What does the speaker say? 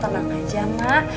tenang aja mak